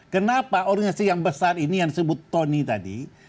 kenapa organisasi yang besar ini yang disebut tony tadi